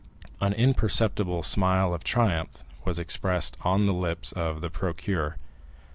An imperceptible smile of triumph was expressed on the lips of the procureur.